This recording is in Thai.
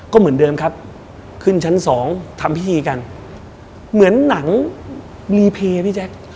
ก็เหมือนเดิมครับขึ้นชั้นสองทำพิธีกันเหมือนหนังมีเพย์พี่แจ๊ค